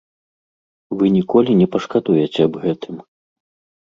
Вы ніколі не пашкадуеце аб гэтым.